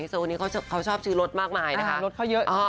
ไฮโซหนุ่มเขาชอบซื้อรถมากมายนะคะ